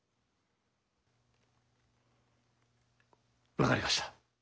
分かりました。